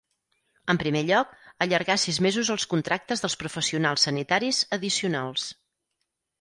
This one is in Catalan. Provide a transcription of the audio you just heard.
En primer lloc, allargar sis mesos els contractes dels professionals sanitaris addicionals.